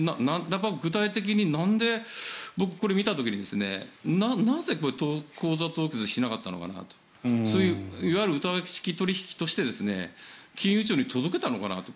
僕、これ見た時になぜ口座凍結しなかったのかなと。いわゆる疑わしき取引として金融庁に届けたのかなと。